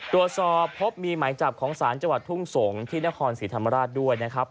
ตรวจสอบพบมีหมายจับของศาลจังหวัดทุ่งสงศ์ที่นครศรีธรรมราชด้วยนะครับ